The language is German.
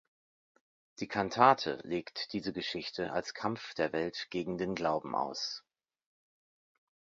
Die Kantate legt diese Geschichte als Kampf der Welt gegen den Glauben aus.